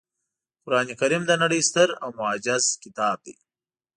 قرانکریم د نړۍ ستر او معجز کتاب دی